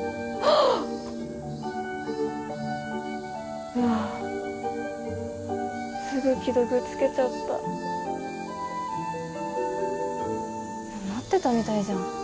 うわっすぐ既読つけちゃった待ってたみたいじゃん